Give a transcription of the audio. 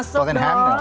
son heung min masuk dong